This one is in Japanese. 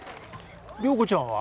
良子ちゃんは？